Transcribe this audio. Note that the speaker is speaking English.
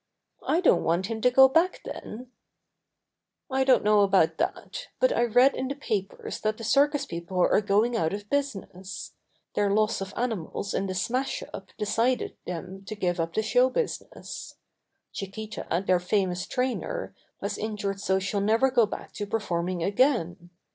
"I don't want him to go back then." Buster is to be Sent to the Zoo 121 don't know about that, but I read in the papers that the circus people are going out of business. Their loss of animals in the smash up decided them to give up the show business. Chiquita, their famous trainer, was injured so she'll never go back to performing again.